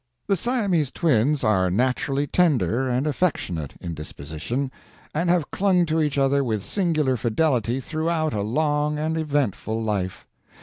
The Siamese Twins are naturally tender and affectionate in disposition, and have clung to each other with singular fidelity throughout a long and eventful life.